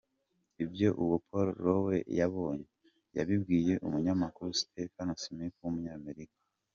Ibyo uwo Paul Lowe yabonye, yabibwiye Umunyamakuru Stephen Smith w’umunyamerika,.